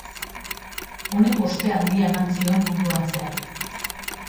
Honek ospea handia eman zion munduan zehar.